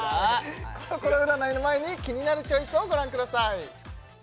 コロコロ占いの前にキニナルチョイスをご覧ください